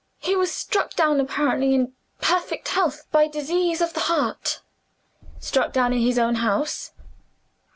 "He was struck down apparently in perfect health by disease of the heart." "Struck down in his own house?"